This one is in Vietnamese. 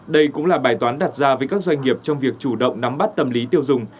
đây cũng là bài toán đặt ra với các doanh nghiệp trong việc chủ động nắm bắt tâm lý tiêu dùng